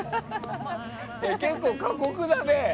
結構、過酷だね。